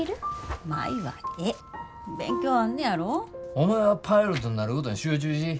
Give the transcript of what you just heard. お前はパイロットになることに集中し。